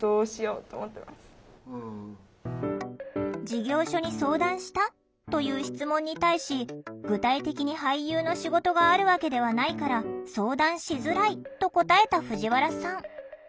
「事業所に相談した？」という質問に対し「具体的に俳優の仕事があるわけではないから相談しづらい」と答えた藤原さん。